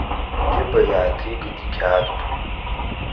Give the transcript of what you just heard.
Иџьыба иааҭигеит иқьаадқәа.